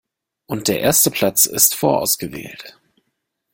Und der erste Platz ist vorausgewählt.